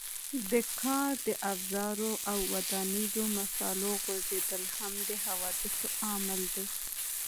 د کار د افزارو او ودانیزو مسالو غورځېدل هم د حوادثو عامل دی.